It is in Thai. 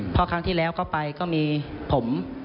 เพราะครั้งที่แล้วก็ไปก็มีผม